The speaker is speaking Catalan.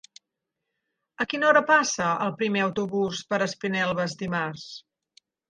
A quina hora passa el primer autobús per Espinelves dimarts?